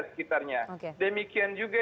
sekitarnya demikian juga